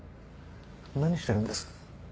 何してるんです？